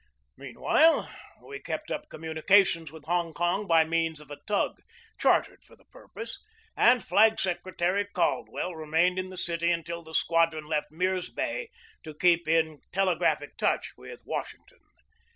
Meanwhile, we kept up communication with Hong Kong by means of a tug chartered for the purpose, and Flag Secretary Cald well remained in the city until the squadron left Mirs Bay to keep in telegraphic touch with Wash ington.